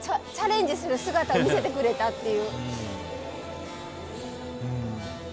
チャレンジする姿を見せてくれたっていう。